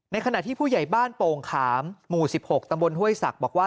ขณะที่ผู้ใหญ่บ้านโป่งขามหมู่๑๖ตำบลห้วยศักดิ์บอกว่า